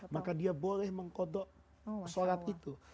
maka dia boleh mengkodok sholat itu